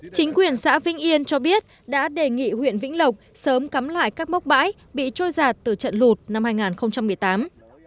chính quyền xã vĩnh yên cho biết đã đề nghị huyện vĩnh lộc sớm cắm lại các mốc bãi bị trôi giạt từ trận lụt năm hai nghìn một mươi tám